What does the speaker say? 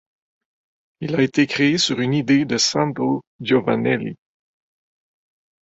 Il a été créé sur une idée de Sandro Giovannelli.